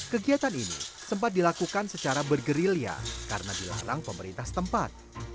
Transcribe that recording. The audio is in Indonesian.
kegiatan ini sempat dilakukan secara bergerilya karena dilarang pemerintah setempat